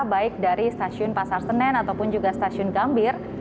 baik dari stasiun pasar senen ataupun juga stasiun gambir